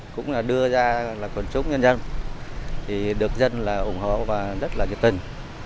cũng là đưa ra là quần chúc nhân dân thì được dân là ủng hộ và rất là nhiệt tình